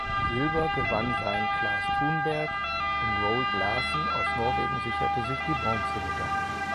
Silber gewann sein Clas Thunberg und Roald Larsen aus Norwegen sicherte sich die Bronzemedaille.